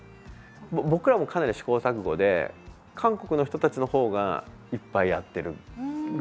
僕らも、かなり試行錯誤で韓国の人たちの方が、いっぱいやってるぐらいなんですね。